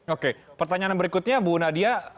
oke pertanyaan berikutnya bu nadia